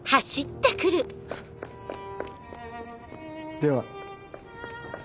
では。